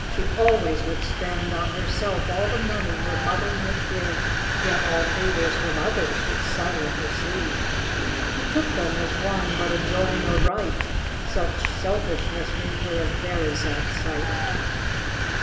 She always would spend On herself all the money her mother might give, Yet all favors from others would silent receive. She took them as one hut enjoying a right, — Such selfishness made her a very sad sight.